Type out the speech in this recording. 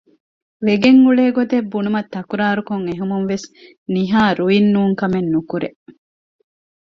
ވެގެން އުޅޭ ގޮތެއް ބުނުމަށް ތަކުރާރުކޮށް އެދުމުންވެސް ނިހާ ރުއިން ނޫންކަމެއް ނުކުރޭ